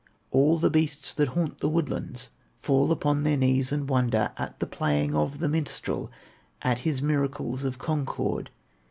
All the beasts that haunt the woodlands Fall upon their knees and wonder At the playing of the minstrel, At his miracles of concord.